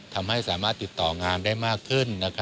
ทำให้สามารถติดต่องานได้มากขึ้น